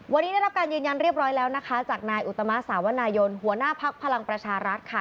วันนี้ได้รับการยืนยันเรียบร้อยแล้วนะคะจากนายอุตมะสาวนายนหัวหน้าพักพลังประชารัฐค่ะ